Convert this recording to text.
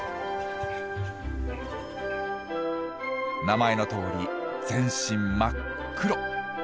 名前のとおり全身真っ黒。